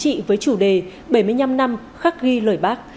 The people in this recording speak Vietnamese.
trị với chủ đề bảy mươi năm năm khắc ghi lời bác